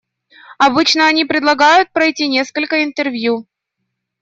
Обычно они предлагают пройти несколько интервью.